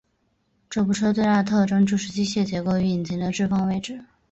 这部车最大的特征就是机械结构与引擎的置放位子。